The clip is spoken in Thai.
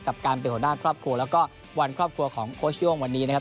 กับการเป็นหัวหน้าครอบครัวแล้วก็วันครอบครัวของโค้ชโย่งวันนี้นะครับ